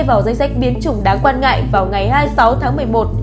vào danh sách biến chủng đáng quan ngại vào ngày hai mươi sáu tháng một mươi một